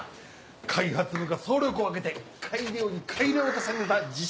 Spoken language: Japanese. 開発部が総力を挙げて改良に改良を重ねた自信作！